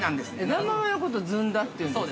◆枝豆のことを「ずんだ」っていうんですか。